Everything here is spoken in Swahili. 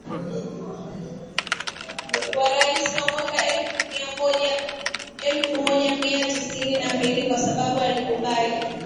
wa rais wa mwaka elfu moja mia tisa tisini na mbili kwa sababu alikubali